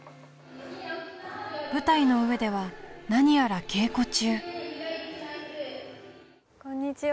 舞台の上では何やら稽古中こんにちは